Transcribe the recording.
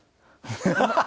ハハハハ！